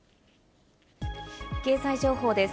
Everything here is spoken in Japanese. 経済情報です。